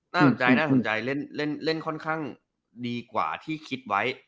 น่าสนใจเล่นค่อนข้างดีกว่าที่คิดไว้